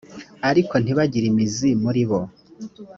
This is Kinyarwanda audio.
ariko ntibagire imizi muri bo